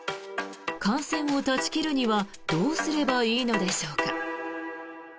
感染を断ち切るにはどうすればいいのでしょうか。